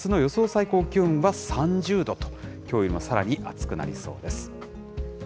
最高気温は３０度と、きょうよりもさらに暑くなりそうです。